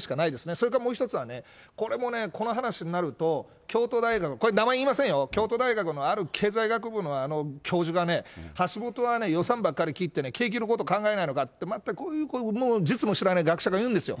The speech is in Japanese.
それからもう１つは、これもね、この話になると、京都大学、これ名前言いませんよ、京都大学のある経済学部のあの教授がね、橋下はね、予算ばっかり切ってね、景気のこと考えないのかって、またこういう実務を知らない学者が言うんですわ。